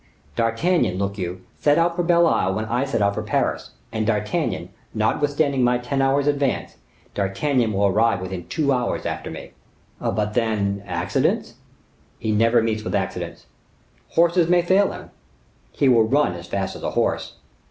D'Artagnan, look you, set out for Belle Isle when I set out for Paris; and D'Artagnan, notwithstanding my ten hours' advance, D'Artagnan will arrive within two hours after me." "But, then, accidents?" "He never meets with accidents." "Horses may fail him." "He will run as fast as a horse."